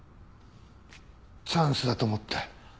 チャンスだと思って。